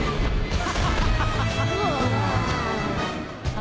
あ。